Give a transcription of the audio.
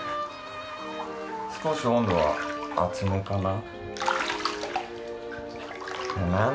少し温度は熱めかな。